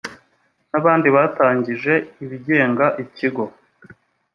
n abandi batangije ibigega ikigo